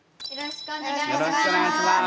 よろしくお願いします。